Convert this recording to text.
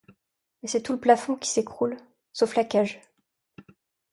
Mais c'est tout le plafond qui s'écroule, sauf la cage.